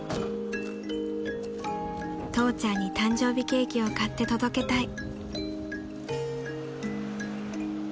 ［父ちゃんに誕生日ケーキを買って届けたい］